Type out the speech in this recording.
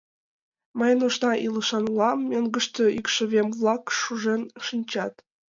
— Мый нужна илышан улам, мӧҥгыштӧ икшывем-влак шужен шинчат...